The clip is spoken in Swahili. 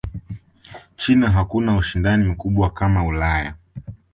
china hakuna ushindani mkubwa kama Ulaya